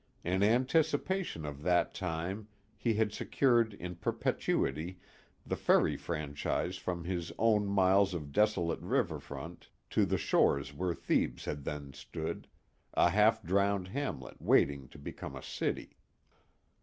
In anticipation of that time he had secured in perpetuity the ferry franchise from his own miles of desolate river front to the shore where Thebes had then stood, a half drowned hamlet waiting to become a city.